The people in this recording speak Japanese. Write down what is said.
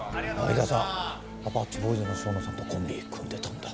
相田さんアパッチボーイズの正野さんとコンビ組んでたんだ。